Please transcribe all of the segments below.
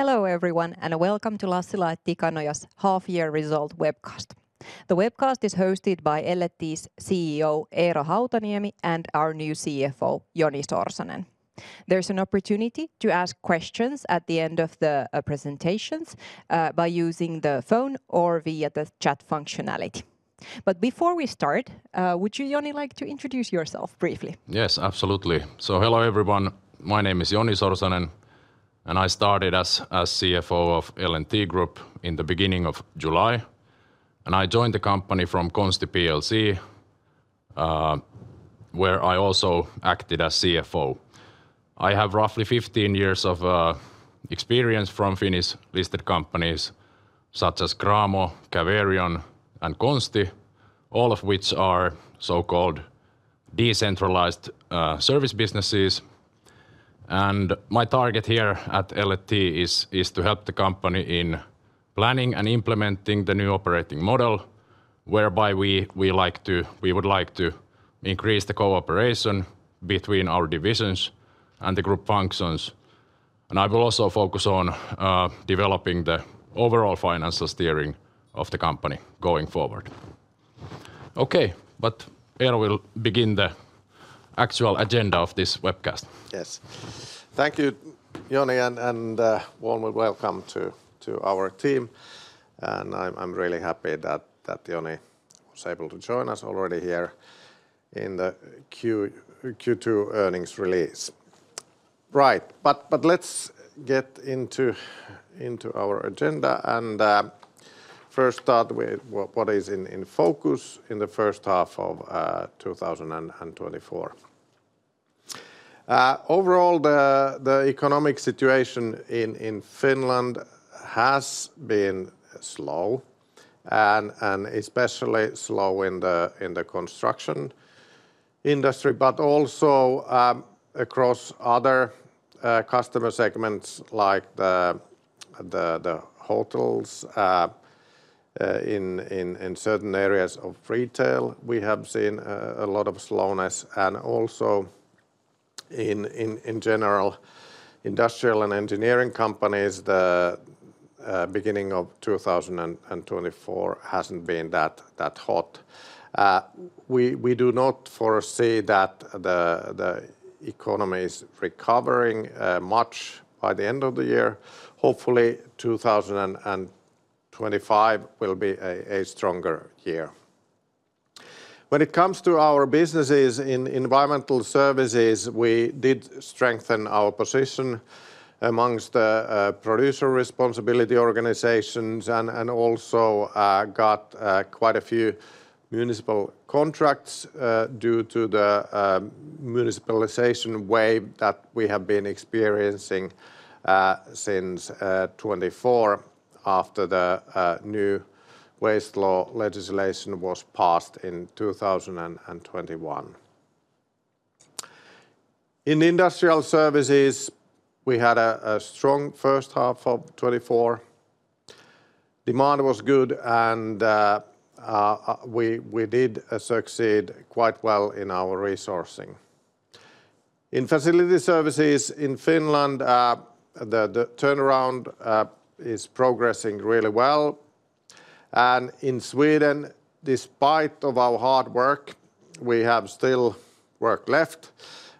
Hello everyone and welcome to Lassila & Tikanoja's Half-Year Result Webcast. The webcast is hosted by L&T's CEO Eero Hautaniemi and our new CFO Joni Sorsanen. There's an opportunity to ask questions at the end of the presentations by using the phone or via the chat functionality. But before we start, would you, Joni, like to introduce yourself briefly? Yes, absolutely. So hello everyone, my name is Joni Sorsanen and I started as CFO of L&T Group in the beginning of July. I joined the company from Consti Plc, where I also acted as CFO. I have roughly 15 years of experience from Finnish listed companies such as Cramo, Caverion, and Consti, all of which are so-called decentralized service businesses. My target here at L&T is to help the company in planning and implementing the new operating model, whereby we would like to increase the cooperation between our divisions and the group functions. I will also focus on developing the overall financial steering of the company going forward. Okay, but Eero will begin the actual agenda of this webcast. Yes, thank you, Joni, and warm welcome to our team. I'm really happy that Joni was able to join us already here in the Q2 earnings release. Right, but let's get into our agenda and first start with what is in focus in the first half of 2024. Overall, the economic situation in Finland has been slow, and especially slow in the construction industry, but also across other customer segments like the hotels. In certain areas of retail, we have seen a lot of slowness, and also in general industrial and engineering companies, the beginning of 2024 hasn't been that hot. We do not foresee that the economy is recovering much by the end of the year. Hopefully, 2025 will be a stronger year. When it comes to our businesses in environmental services, we did strengthen our position amongst the producer responsibility organizations and also got quite a few municipal contracts due to the municipalization wave that we have been experiencing since 2024 after the new waste law legislation was passed in 2021. In industrial services, we had a strong first half of 2024. Demand was good and we did succeed quite well in our resourcing. In facility services in Finland, the turnaround is progressing really well. And in Sweden, despite our hard work, we have still work left,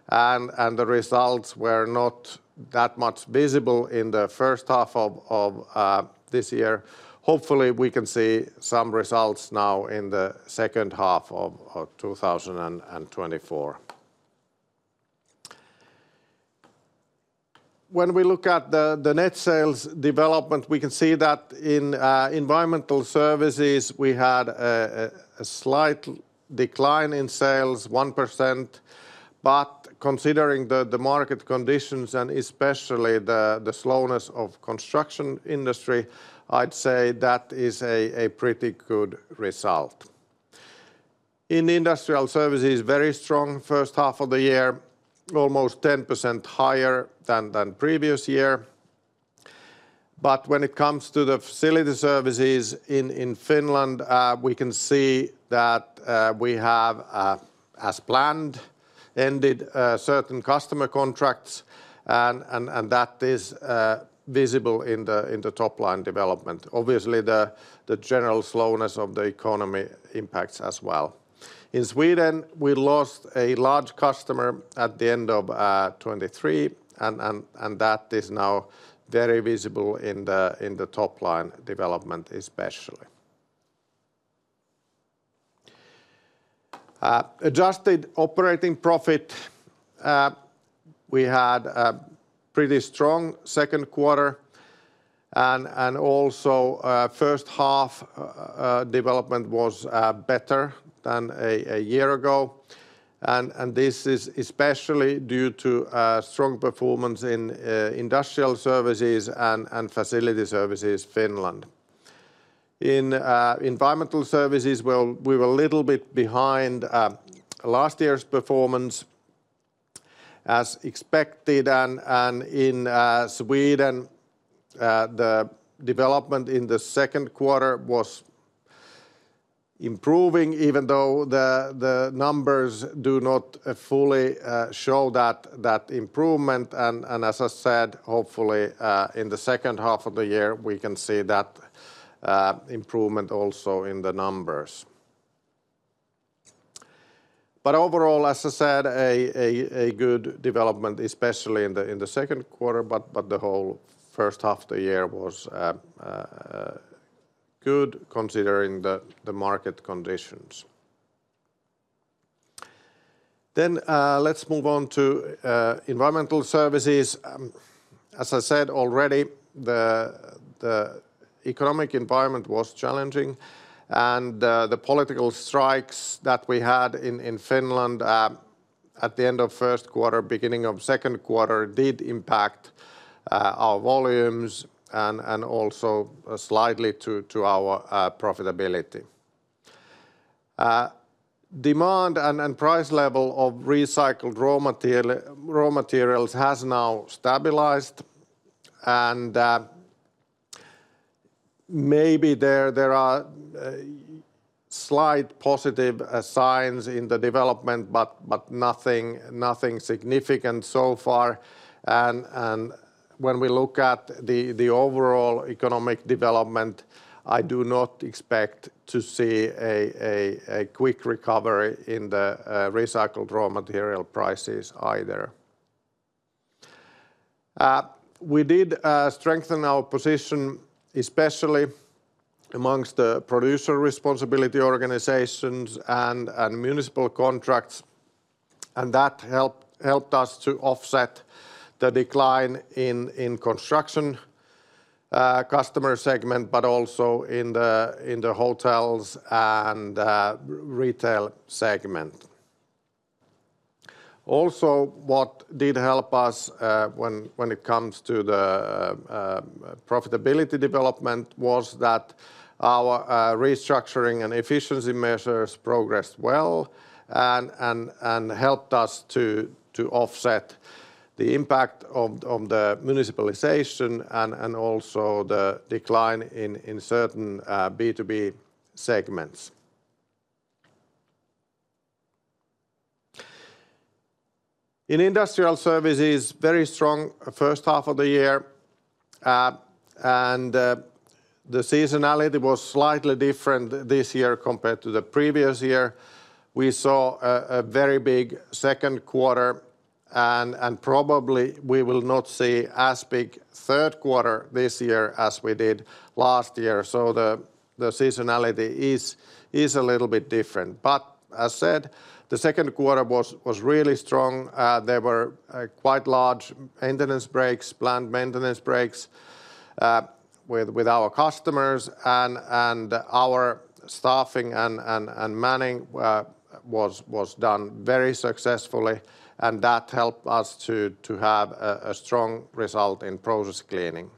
and the results were not that much visible in the first half of this year. Hopefully, we can see some results now in the second half of 2024. When we look at the net sales development, we can see that in environmental services we had a slight decline in sales, 1%, but considering the market conditions and especially the slowness of the construction industry, I'd say that is a pretty good result. In industrial services, very strong first half of the year, almost 10% higher than the previous year. But when it comes to the facility services in Finland, we can see that we have, as planned, ended certain customer contracts, and that is visible in the top line development. Obviously, the general slowness of the economy impacts as well. In Sweden, we lost a large customer at the end of 2023, and that is now very visible in the top line development especially. Adjusted operating profit, we had a pretty strong second quarter, and also the first half development was better than a year ago. This is especially due to strong performance in Industrial Services and Facility Services Finland. In Environmental Services, we were a little bit behind last year's performance, as expected. In Sweden, the development in the second quarter was improving, even though the numbers do not fully show that improvement. As I said, hopefully in the second half of the year, we can see that improvement also in the numbers. Overall, as I said, a good development, especially in the second quarter, but the whole first half of the year was good considering the market conditions. Let's move on to Environmental Services. As I said already, the economic environment was challenging, and the political strikes that we had in Finland at the end of the first quarter, beginning of the second quarter, did impact our volumes and also slightly to our profitability. Demand and price level of recycled raw materials has now stabilized, and maybe there are slight positive signs in the development, but nothing significant so far. When we look at the overall economic development, I do not expect to see a quick recovery in the recycled raw material prices either. We did strengthen our position, especially amongst the producer responsibility organizations and municipal contracts, and that helped us to offset the decline in construction customer segment, but also in the hotels and retail segment. Also, what did help us when it comes to the profitability development was that our restructuring and efficiency measures progressed well and helped us to offset the impact of the municipalization and also the decline in certain B2B segments. In Industrial Services, very strong first half of the year, and the seasonality was slightly different this year compared to the previous year. We saw a very big second quarter, and probably we will not see as big a third quarter this year as we did last year. So the seasonality is a little bit different. But as I said, the second quarter was really strong. There were quite large maintenance breaks, planned maintenance breaks with our customers, and our staffing and manning was done very successfully, and that helped us to have a strong result in process cleaning.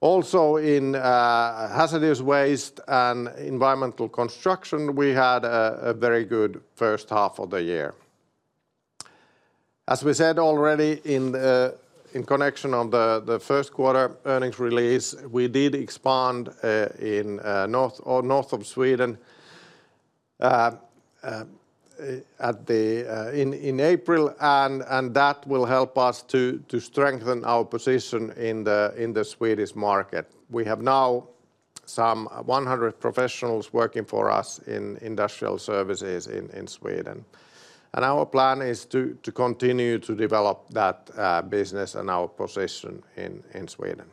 Also, in hazardous waste and environmental construction, we had a very good first half of the year. As we said already, in connection of the first quarter earnings release, we did expand in north of Sweden in April, and that will help us to strengthen our position in the Swedish market. We have now some 100 professionals working for us in industrial services in Sweden. Our plan is to continue to develop that business and our position in Sweden.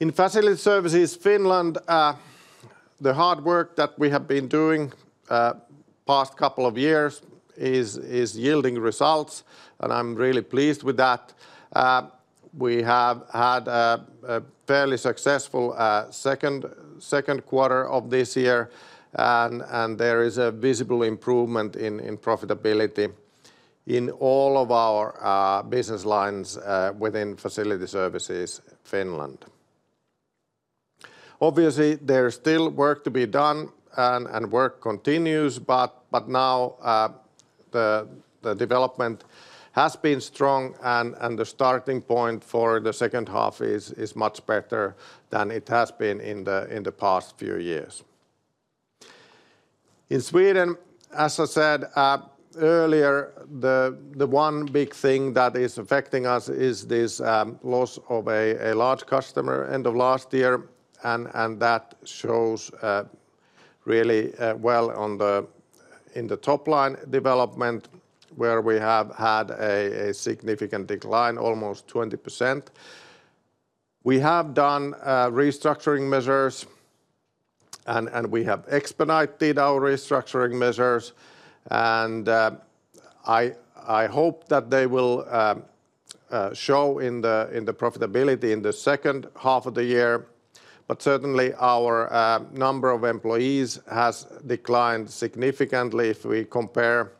In Facility Services Finland, the hard work that we have been doing the past couple of years is yielding results, and I'm really pleased with that. We have had a fairly successful second quarter of this year, and there is a visible improvement in profitability in all of our business lines within Facility Services Finland. Obviously, there is still work to be done, and work continues, but now the development has been strong, and the starting point for the second half is much better than it has been in the past few years. In Sweden, as I said earlier, the one big thing that is affecting us is this loss of a large customer end of last year, and that shows really well in the top line development, where we have had a significant decline, almost 20%. We have done restructuring measures, and we have expedited our restructuring measures, and I hope that they will show in the profitability in the second half of the year. But certainly, our number of employees has declined significantly. If we compare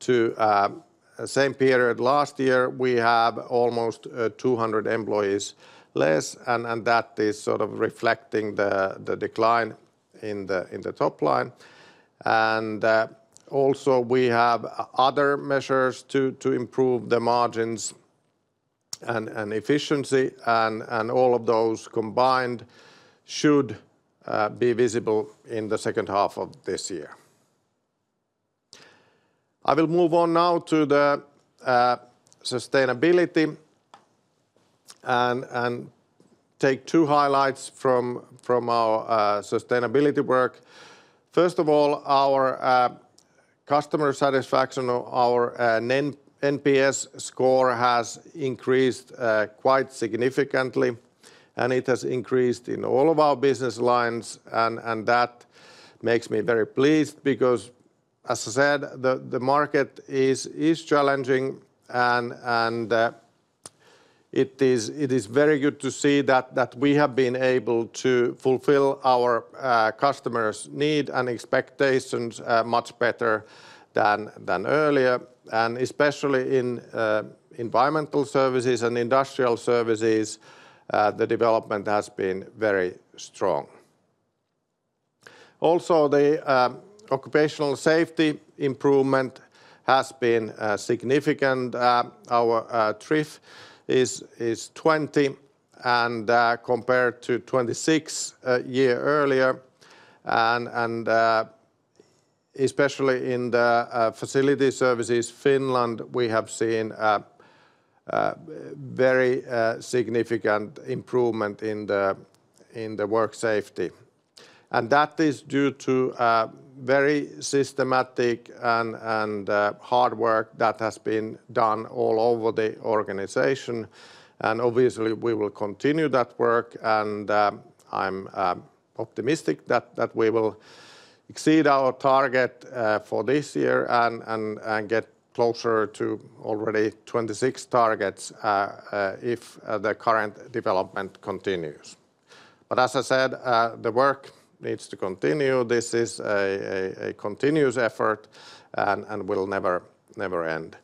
to the same period last year, we have almost 200 employees less, and that is sort of reflecting the decline in the top line. Also, we have other measures to improve the margins and efficiency, and all of those combined should be visible in the second half of this year. I will move on now to the sustainability and take two highlights from our sustainability work. First of all, our customer satisfaction, our NPS score has increased quite significantly, and it has increased in all of our business lines, and that makes me very pleased because, as I said, the market is challenging, and it is very good to see that we have been able to fulfill our customers' needs and expectations much better than earlier. And especially in Environmental Services and Industrial Services, the development has been very strong. Also, the occupational safety improvement has been significant. Our TRIF is 20, compared to 26 a year earlier. And especially in the Facility Services Finland, we have seen very significant improvement in the work safety. And that is due to very systematic and hard work that has been done all over the organization. Obviously, we will continue that work, and I'm optimistic that we will exceed our target for this year and get closer to already 26 targets if the current development continues. But as I said, the work needs to continue. This is a continuous effort and will never end.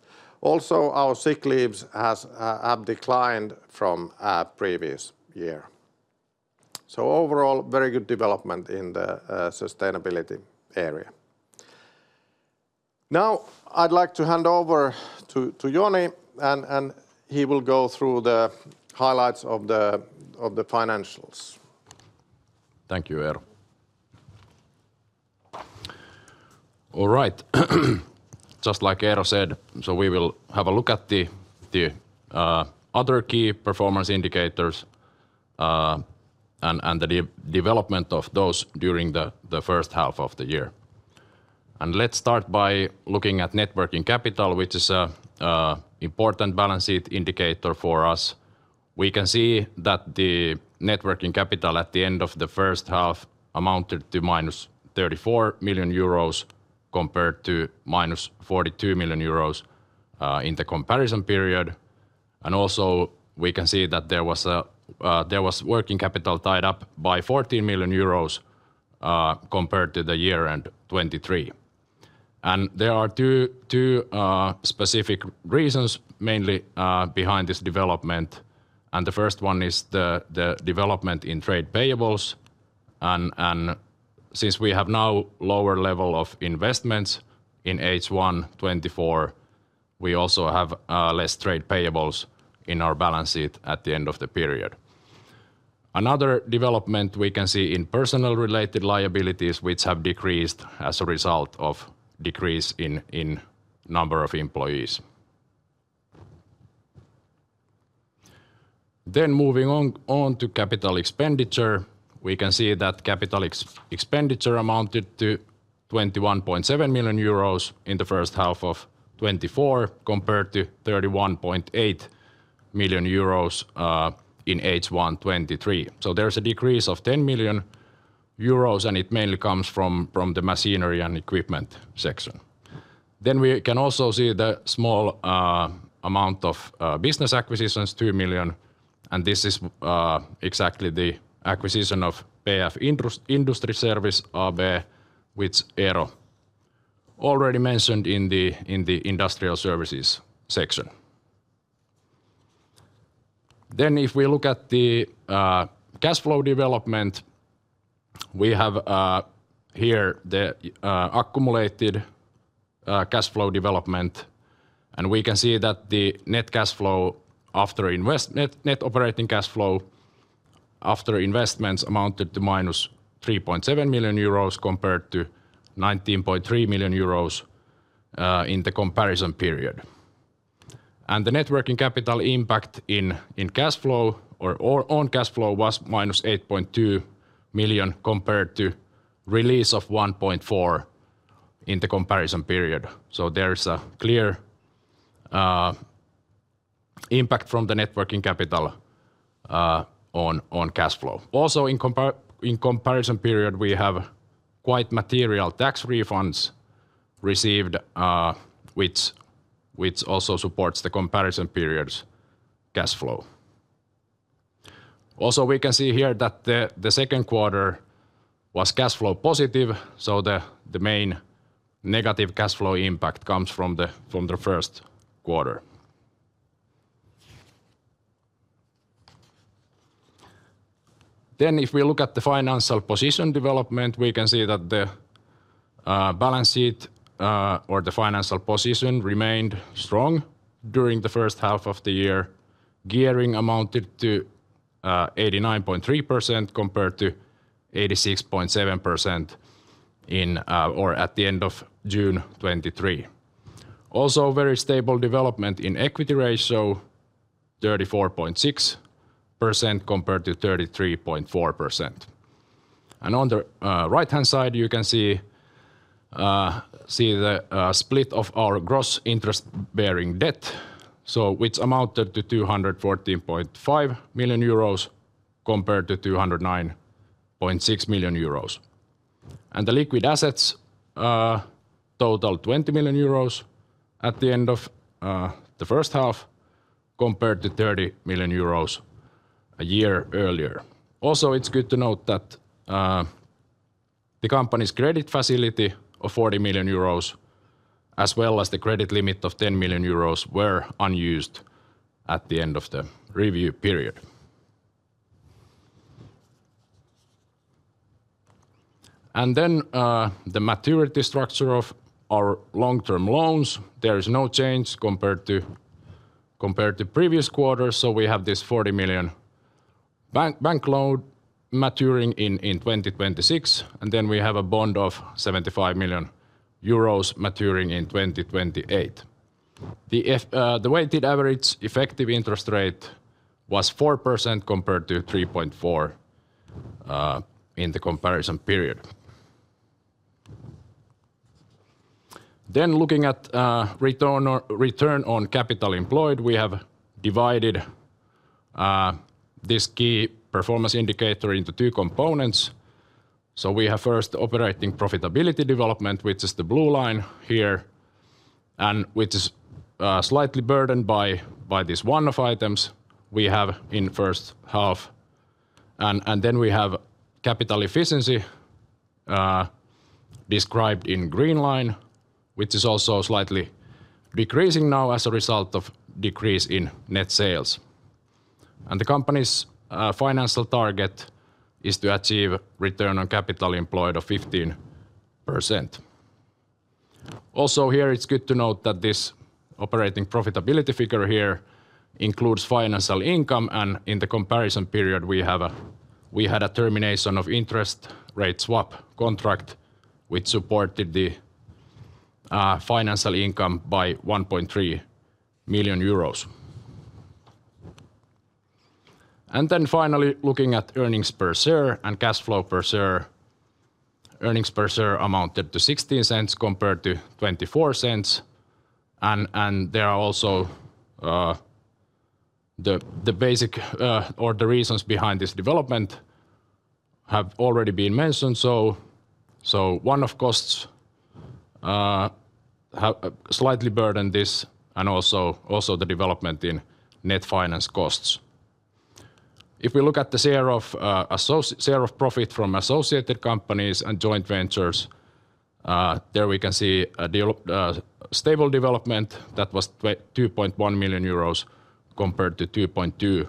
Also, our sick leaves have declined from the previous year. So overall, very good development in the sustainability area. Now, I'd like to hand over to Joni, and he will go through the highlights of the financials. Thank you, Eero. All right. Just like Eero said, so we will have a look at the other key performance indicators and the development of those during the first half of the year. Let's start by looking at net working capital, which is an important balance sheet indicator for us. We can see that the net working capital at the end of the first half amounted to minus 34 million euros compared to minus 42 million euros in the comparison period. Also, we can see that there was working capital tied up by 14 million euros compared to the year end 2023. There are two specific reasons mainly behind this development. The first one is the development in trade payables. Since we have now a lower level of investments in H1 2024, we also have less trade payables in our balance sheet at the end of the period. Another development we can see in personnel related liabilities, which have decreased as a result of a decrease in the number of employees. Then moving on to capital expenditure, we can see that capital expenditure amounted to 21.7 million euros in the first half of 2024 compared to 31.8 million euros in H1 2023. So there's a decrease of 10 million euros, and it mainly comes from the machinery and equipment section. Then we can also see the small amount of business acquisitions, 2 million. And this is exactly the acquisition of PF Industriservice AB, which Eero already mentioned in the industrial services section. Then if we look at the cash flow development, we have here the accumulated cash flow development, and we can see that the net cash flow after net operating cash flow after investments amounted to -3.7 million euros compared to 19.3 million euros in the comparison period. The net working capital impact in cash flow or on cash flow was minus 8.2 million compared to release of 1.4 million in the comparison period. So there is a clear impact from the net working capital on cash flow. Also, in the comparison period, we have quite material tax refunds received, which also supports the comparison period's cash flow. Also, we can see here that the second quarter was cash flow positive, so the main negative cash flow impact comes from the first quarter. Then if we look at the financial position development, we can see that the balance sheet or the financial position remained strong during the first half of the year. Gearing amounted to 89.3% compared to 86.7% at the end of June 2023. Also, very stable development in equity ratio, 34.6% compared to 33.4%. On the right-hand side, you can see the split of our gross interest-bearing debt, which amounted to 214.5 million euros compared to 209.6 million euros. The liquid assets totaled 20 million euros at the end of the first half compared to 30 million euros a year earlier. Also, it's good to note that the company's credit facility of 40 million euros, as well as the credit limit of 10 million euros, were unused at the end of the review period. The maturity structure of our long-term loans, there is no change compared to the previous quarter. We have this 40 million bank loan maturing in 2026, and then we have a bond of 75 million euros maturing in 2028. The weighted average effective interest rate was 4% compared to 3.4% in the comparison period. Then looking at return on capital employed, we have divided this key performance indicator into two components. So we have first operating profitability development, which is the blue line here, and which is slightly burdened by this one-off items we have in the first half. And then we have capital efficiency described in green line, which is also slightly decreasing now as a result of a decrease in net sales. And the company's financial target is to achieve return on capital employed of 15%. Also, here it's good to note that this operating profitability figure here includes financial income, and in the comparison period, we had a termination of interest rate swap contract, which supported the financial income by EUR 1.3 million. And then finally, looking at earnings per share and cash flow per share, earnings per share amounted to 0.16 compared to 0.24. There are also the basic or the reasons behind this development have already been mentioned. So one of costs slightly burdened this, and also the development in net finance costs. If we look at the share of profit from associated companies and joint ventures, there we can see a stable development that was 2.1 million euros compared to 2.2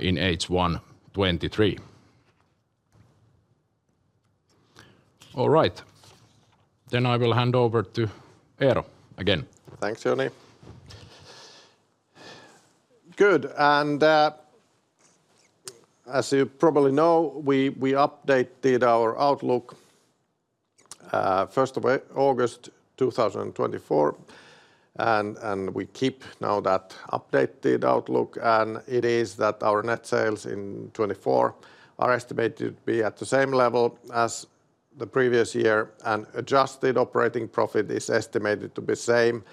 in H1 2023. All right. Then I will hand over to Eero again. Thanks, Joni. Good. And as you probably know, we updated our outlook first of August 2024, and we keep now that updated outlook. And it is that our net sales in 2024 are estimated to be at the same level as the previous year, and adjusted operating profit is estimated to be the same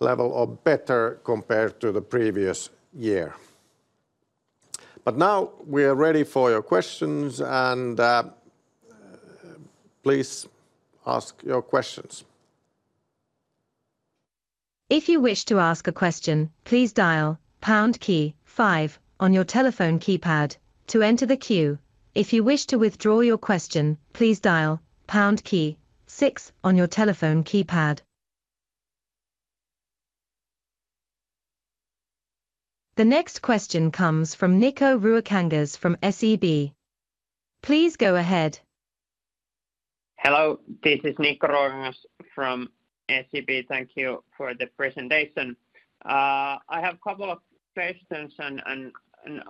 level or better compared to the previous year. But now we are ready for your questions, and please ask your questions. If you wish to ask a question, please dial pound key five on your telephone keypad to enter the queue. If you wish to withdraw your question, please dial pound key six on your telephone keypad. The next question comes from Niko Ruokangas from SEB. Please go ahead. Hello, this is Niko Ruokangas from SEB. Thank you for the presentation. I have a couple of questions, and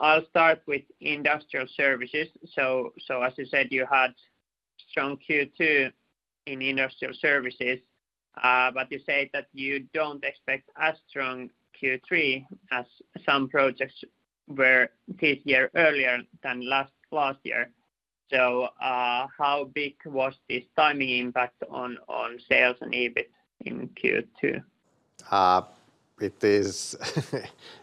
I'll start with industrial services. So as you said, you had strong Q2 in industrial services, but you say that you don't expect as strong Q3 as some projects were this year earlier than last year. So how big was this timing impact on sales and EBIT in Q2? It is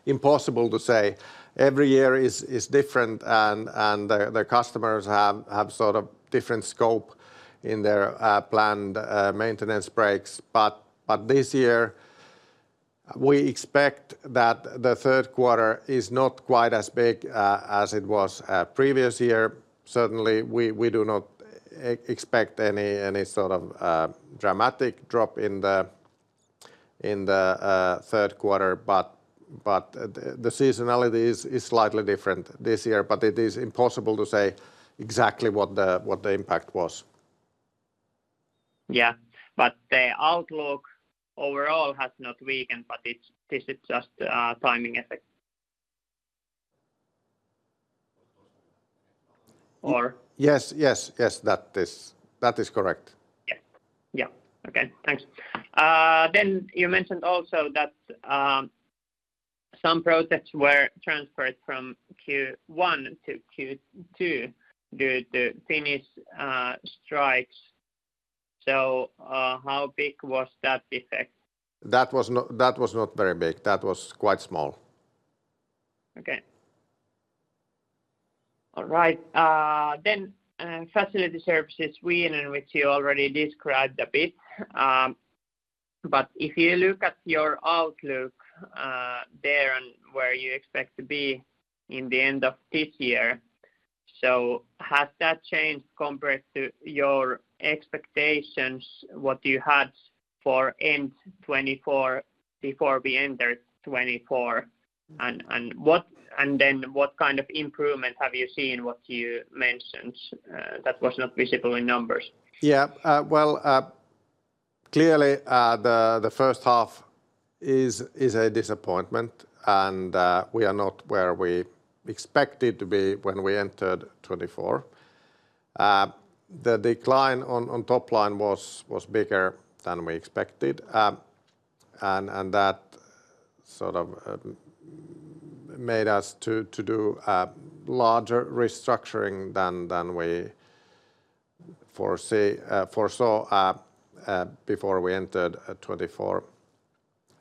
impossible to say. Every year is different, and the customers have sort of different scope in their planned maintenance breaks. But this year, we expect that the third quarter is not quite as big as it was previous year. Certainly, we do not expect any sort of dramatic drop in the third quarter, but the seasonality is slightly different this year, but it is impossible to say exactly what the impact was. Yeah, but the outlook overall has not weakened, but this is just a timing effect. Yes, yes, yes, that is correct. Yes. Yeah. Okay. Thanks. Then you mentioned also that some projects were transferred from Q1 to Q2 due to Finnish strikes. So how big was that effect? That was not very big. That was quite small. Okay. All right. Then Facility Services, we in which you already described a bit. But if you look at your outlook there and where you expect to be in the end of this year, so has that changed compared to your expectations, what you had for end 2024 before we entered 2024? And then what kind of improvement have you seen, what you mentioned that was not visible in numbers? Yeah. Well, clearly, the first half is a disappointment, and we are not where we expected to be when we entered 2024. The decline on top line was bigger than we expected, and that sort of made us to do a larger restructuring than we foresaw before we entered 2024.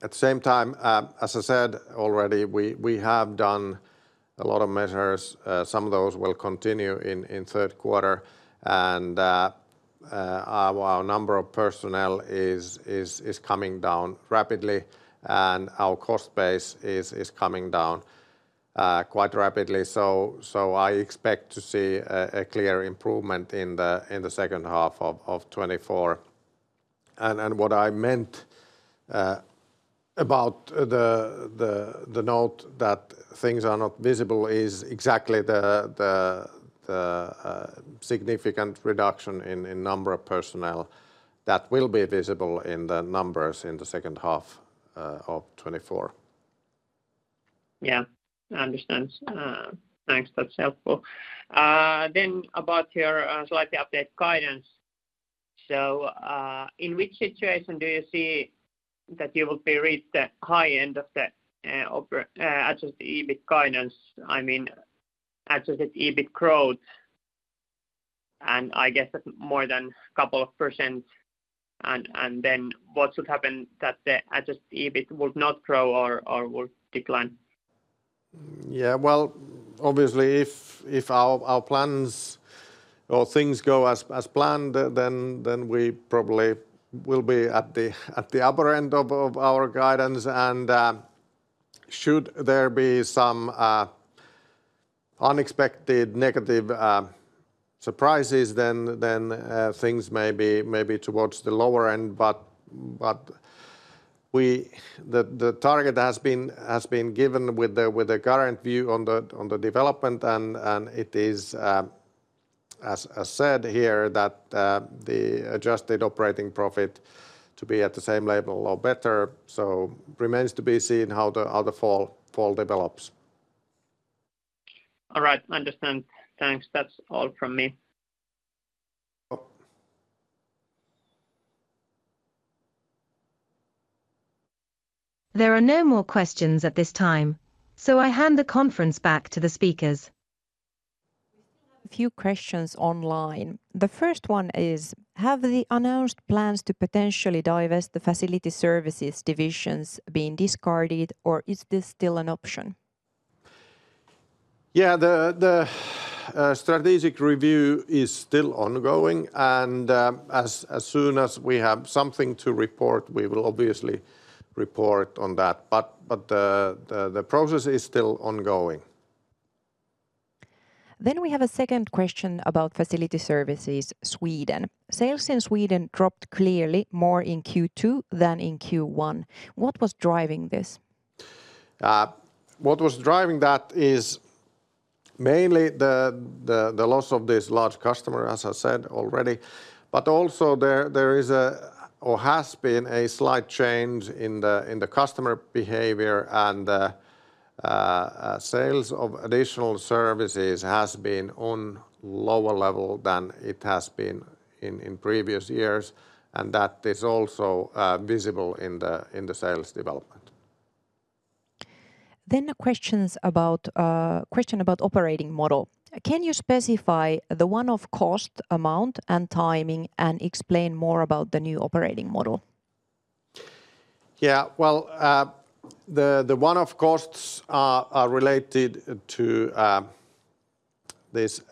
At the same time, as I said already, we have done a lot of measures. Some of those will continue in third quarter, and our number of personnel is coming down rapidly, and our cost base is coming down quite rapidly. So I expect to see a clear improvement in the second half of 2024. And what I meant about the note that things are not visible is exactly the significant reduction in number of personnel that will be visible in the numbers in the second half of 2024. Yeah, I understand. Thanks. That's helpful. Then about your slightly updated guidance. So in which situation do you see that you would be reached the high end of the adjusted EBIT guidance? I mean, adjusted EBIT growth, and I guess that's more than a couple of %. And then what should happen that the adjusted EBIT would not grow or would decline? Yeah, well, obviously, if our plans or things go as planned, then we probably will be at the upper end of our guidance. And should there be some unexpected negative surprises, then things may be towards the lower end. But the target has been given with the current view on the development, and it is, as said here, that the adjusted operating profit to be at the same level or better. So it remains to be seen how the fall develops. All right. Understand. Thanks. That's all from me. There are no more questions at this time, so I hand the conference back to the speakers. We still have a few questions online. The first one is, have the announced plans to potentially divest the Facility Services divisions been discarded, or is this still an option? Yeah, the strategic review is still ongoing, and as soon as we have something to report, we will obviously report on that. But the process is still ongoing. Then we have a second question about Facility Services Sweden. Sales in Sweden dropped clearly more in Q2 than in Q1. What was driving this? What was driving that is mainly the loss of this large customer, as I said already. But also there is a, or has been a slight change in the customer behavior, and sales of additional services has been on a lower level than it has been in previous years, and that is also visible in the sales development. Then a question about operating model. Can you specify the one-off cost amount and timing and explain more about the new operating model? Yeah, well, the one-off costs are related to this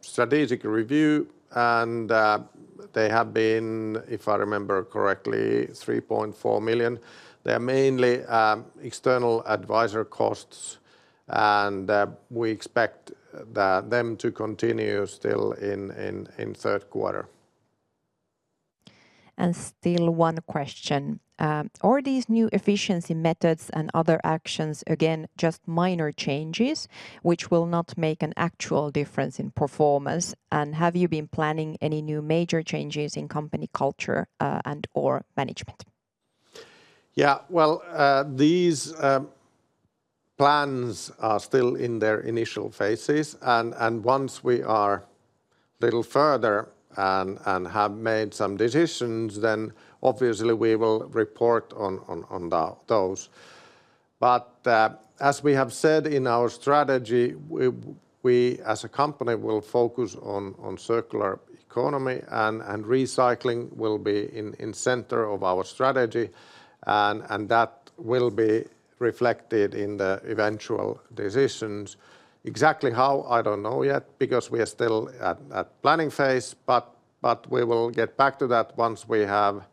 strategic review, and they have been, if I remember correctly, 3.4 million. They are mainly external advisor costs, and we expect them to continue still in third quarter. And still one question. Are these new efficiency methods and other actions, again, just minor changes, which will not make an actual difference in performance? Have you been planning any new major changes in company culture and/or management? Yeah, well, these plans are still in their initial phases, and once we are a little further and have made some decisions, then obviously we will report on those. But as we have said in our strategy, we as a company will focus on circular economy, and recycling will be in the center of our strategy, and that will be reflected in the eventual decisions. Exactly how, I don't know yet because we are still at the planning phase, but we will get back to that once we have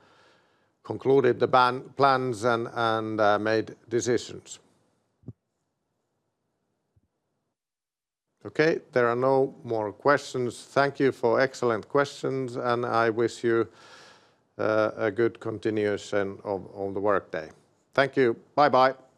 concluded the plans and made decisions. Okay, there are no more questions. Thank you for excellent questions, and I wish you a good continuation of the workday. Thank you. Bye-bye.